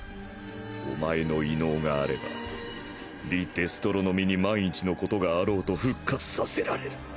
おまえの異能があればリ・デストロの身に万一の事があろうと復活させられる！